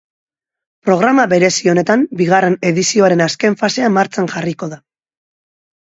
Programa berezi honetan bigarren edizioaren azken fasea martxan jarriko da.